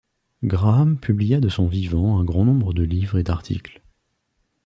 Graham publia de son vivant un grand nombre de livres et d’articles.